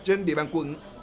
trên địa bàn quận